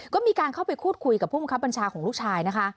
ก็มีการเข้าไปพูดคุยกับผู้บังคับบัญชาของลูกชายนะคะ